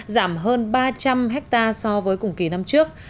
giảm hơn ba trăm linh hectare so với cùng kỳ năm trước